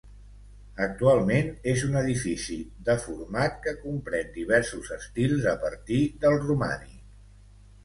Actualment és un edifici deformat que compren diversos estils a partir del romànic.